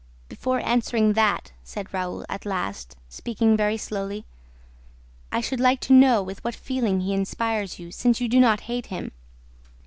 "Before answering that," said Raoul, at last, speaking very slowly, "I should like to know with what feeling he inspires you, since you do not hate him."